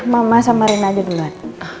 mama sama rina aja duluan